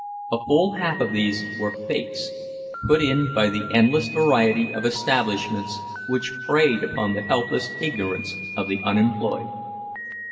A full half of these were "fakes," put in by the endless variety of establishments which preyed upon the helpless ignorance of the unemployed.